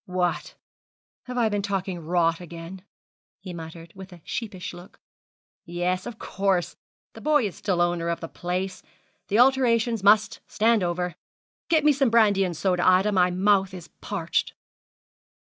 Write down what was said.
'What, have I been talking rot again?' he muttered, with a sheepish look. 'Yes, of course, the boy is still owner of the place. The alterations must stand over. Get me some brandy and soda, Ida, my mouth is parched.'